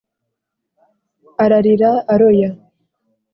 ararira aroya.